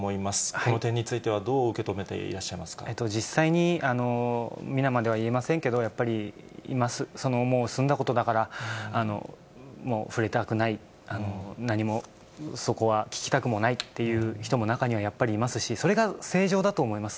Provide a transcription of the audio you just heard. この点についてはどう受け止めて実際に、みなまでは言えませんけど、今、もう済んだことだから、もう触れたくない、何もそこは聞きたくもないという人も中にはやっぱりいますし、それが正常だと思います。